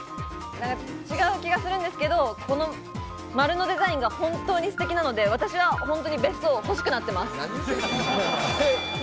違う気がするんですけど、丸のデザインが本当にステキなので、私は本当に別荘、欲しくなってます。